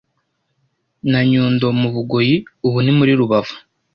na Nyundo mu Bugoyi ubu ni muri Rubavu)